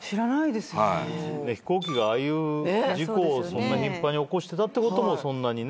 飛行機がああいう事故を頻繁に起こしてたってこともそんなにね。